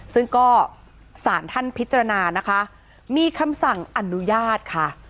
ซึ่งก็สารท่านพิจารณานะคะมีคำสั่งอนุญาตค่ะ